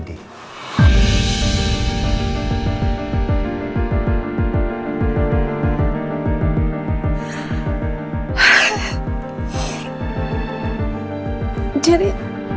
maksud kamu anak andin